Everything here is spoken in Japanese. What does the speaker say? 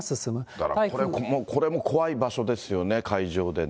だからこれも怖い場所ですよね、海上でね。